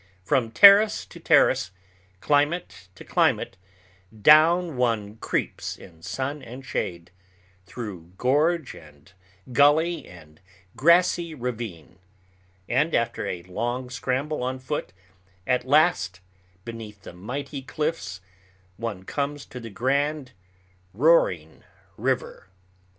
From terrace to terrace, climate to climate, down one creeps in sun and shade, through gorge and gully and grassy ravine, and, after a long scramble on foot, at last beneath the mighty cliffs one comes to the grand, roaring river.